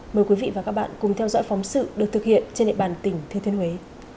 mời quý vị và các bạn cùng theo dõi phóng sự được thực hiện trên địa bàn tỉnh thừa thiên huế